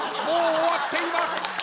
もう終わっています。